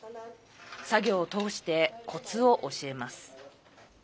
作業を通して、コツを教えます。